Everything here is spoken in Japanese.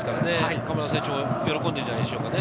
鎌田選手も喜んでいるんじゃないでしょうか。